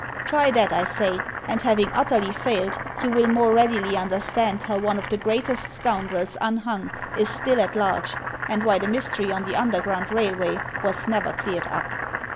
"Try that, I say, and having utterly failed you will more readily understand how one of the greatest scoundrels unhung is still at large, and why the mystery on the Uaderground Railway was never cleared up."